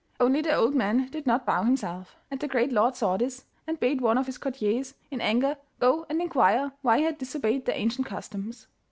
Only the old man did not bow himself, and the great lord saw this, and bade one of his courtiers, in anger, go and inquire why he had disobeyed the ancient customs.